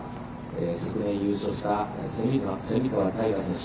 昨年、優勝した蝉川泰果選手